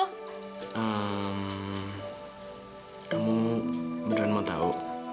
hmm kamu bukan mau tahu